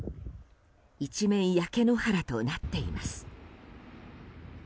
一面、焼け野原となっています。